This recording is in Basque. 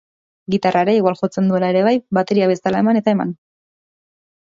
Gitarra ere igual jotzen duela ere bai, bateria bezala eman eta eman.